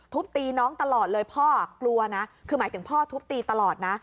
ตีน้องตลอดเลยพ่อกลัวนะคือหมายถึงพ่อทุบตีตลอดนะ